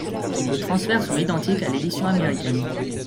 Les transferts sont identiques à l'édition américaine.